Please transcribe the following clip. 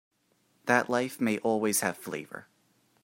That life may always have flavor.